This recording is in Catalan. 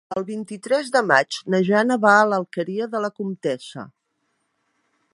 El vint-i-tres de maig na Jana va a l'Alqueria de la Comtessa.